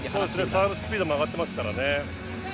サーブスピードも上がってますからね。